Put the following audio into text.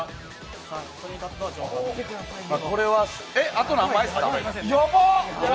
あと何枚ですか？